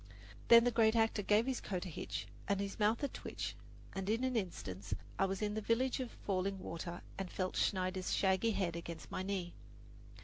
Then the great actor gave his coat a hitch and his mouth a twitch, and in an instant I was in the village of Falling Water and felt Schneider's shaggy head against my knee.